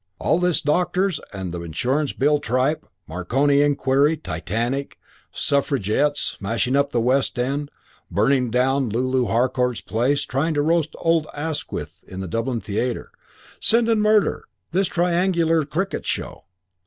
All this doctors and the Insurance Bill tripe, Marconi Inquiry, Titanic, Suffragettes smashing up the West End, burning down Lulu Harcourt's place, trying to roast old Asquith in the Dublin Theatre, Seddon murder, this triangular cricket show.